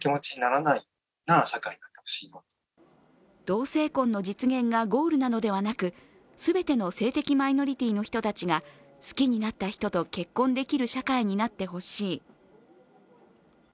同性婚の実現がゴールなのではなくすべての性的マイノリティーの人たちが好きになった人と結婚できる社会になってほしい。